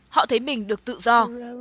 họ thấy mình được tự do